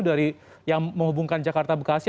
dari yang menghubungkan jakarta bekasi